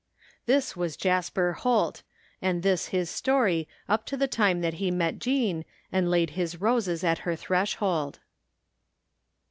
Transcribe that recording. This was Jasper Holt, and this his story up to the time that he met Jean and laid his roses at her threshold.